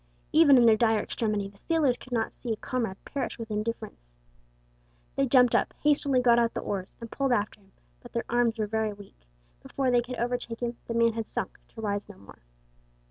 Even in their dire extremity the sailors could not see a comrade perish with indifference. They jumped up, hastily got out the oars, and pulled after him, but their arms were very weak; before they could overtake him the man had sunk to rise no more.